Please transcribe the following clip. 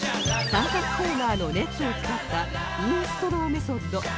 三角コーナーのネットを使ったインストローメソッド